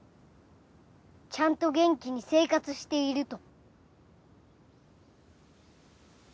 ちゃんと元気に生活していると。